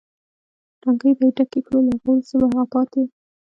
ټانکۍ به یې ډکې کړو، له هغه وروسته به هغه پاتې.